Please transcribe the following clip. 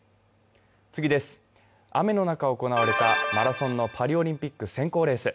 雨の中行われたマラソンのパリオリンピック選考レース。